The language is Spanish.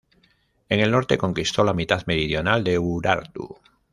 En el norte conquistó la mitad meridional de Urartu.